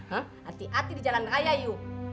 hati hati di jalan raya you